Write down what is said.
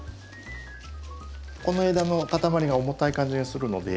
この枝のかたまりが重たい感じがするので。